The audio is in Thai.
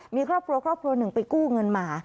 มีครอบครัวครอบครัวหนึ่งไปกู้เงินมา